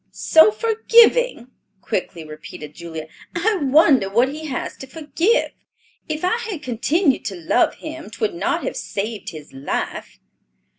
"So forgiving!" quickly repeated Julia. "I wonder what he has to forgive. If I had continued to love him, 'twould not have saved his life."